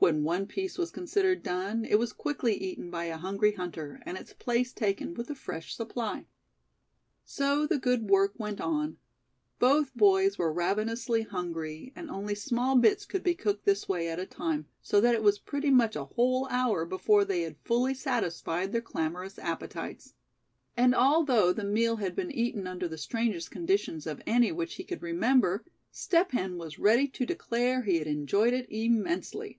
When one piece was considered done, it was quickly eaten by a hungry hunter, and its place taken with a fresh supply. So the good work went on. Both boys were ravenously hungry, and only small bits could be cooked this way at a time, so that it was pretty much a whole hour before they had fully satisfied their clamorous appetites. And although the meal had been eaten under the strangest conditions of any which he could remember, Step Hen was ready to declare he had enjoyed it immensely.